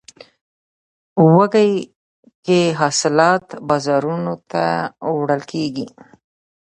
وږی کې حاصلات بازارونو ته وړل کیږي.